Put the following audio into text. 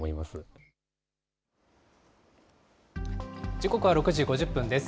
時刻は６時５０分です。